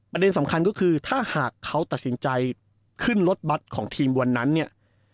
สำคัญก็คือถ้าหากเขาตัดสินใจขึ้นรถบัตรของทีมวันนั้นเนี่ย